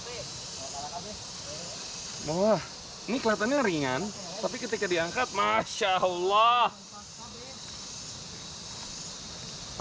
wah ini kelihatannya ringan tapi ketika diangkat masya allah